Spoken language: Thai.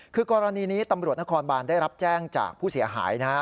คือกรณีนี้ตำรวจนครบานได้รับแจ้งจากผู้เสียหายนะฮะ